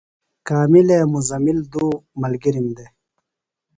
کاملے مُزمل دُو ملگِرم دےۡ۔